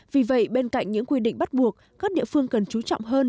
vì vậy bên cạnh những quy định bắt buộc các địa phương cần chú trọng hơn